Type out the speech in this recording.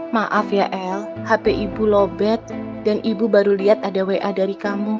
maaf ya el hp ibu lobet dan ibu baru lihat ada wa dari kamu